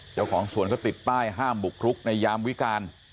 เจ้าของสวนก็ติดป้ายห้ามบุกรุกในยามวิการ